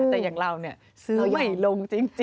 แต่อย่างเราซื้อใหญ่ลงจริง